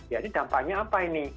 ya ini dampaknya apa ini